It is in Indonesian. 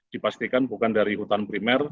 dipastikan bukan dari hutan primer